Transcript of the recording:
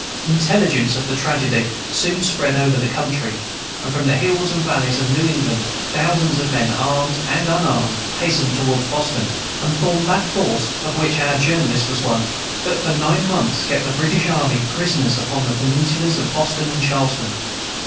Intelligence of the tragedy soon spread over the country, and from the hills and valleys of New England thousands of men, armed and unarmed, hastened toward Boston, and formed that force (of which our Journalist was one) that, for nine months, kept the British army prisoners upon the peninsulas of Boston and Charlestown.